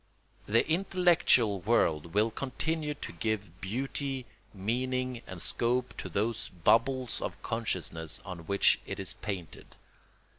The intellectual world will continue to give beauty, meaning, and scope to those bubbles of consciousness on which it is painted.